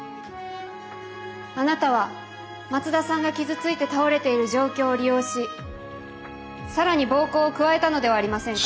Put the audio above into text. あなたは松田さんが傷ついて倒れている状況を利用し更に暴行を加えたのではありませんか？